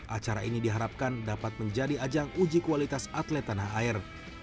acara ini diharapkan dapat menjadi ajang uji kualitas atlet tanah air